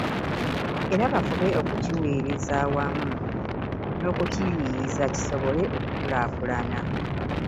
Era bafube okukiweereza awamu n'okukiyiiyiza, kisobole okukulaakulana.